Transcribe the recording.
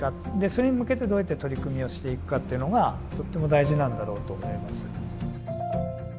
それに向けて、どうやって取り組みをしていくかっていうのが、とっても大事なんだろうと思います。